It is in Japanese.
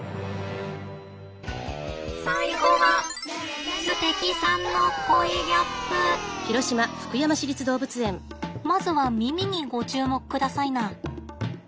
最後はまずは耳にご注目くださいな。